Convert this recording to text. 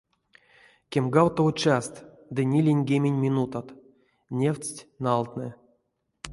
Кемгавтово част ды ниленьгемень минутат — невтсть налтнэ.